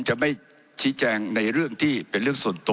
ผมจะขออนุญาตให้ท่านอาจารย์วิทยุซึ่งรู้เรื่องกฎหมายดีเป็นผู้ชี้แจงนะครับ